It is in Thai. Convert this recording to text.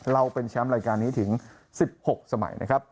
เราเป็นแชมป์รายการนี้ถึง๑๖สมัยนะครับ